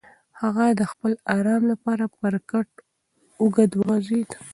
هغه د خپل ارام لپاره پر کټ اوږد وغځېد.